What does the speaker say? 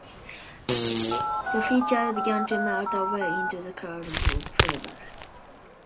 Their figures began to melt away into the cloudland of fable.